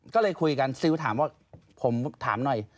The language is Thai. ก็เลยคุยกันซิลถามว่าผมถามหน่อย